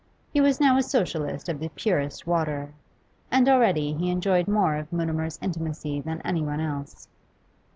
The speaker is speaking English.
He was now a Socialist of the purest water, and already he enjoyed more of Mutimer's intimacy than anyone else.